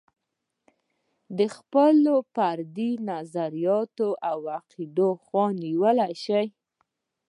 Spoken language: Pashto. د خپلو فردي نظریاتو او عقدو خوا نیولی شي.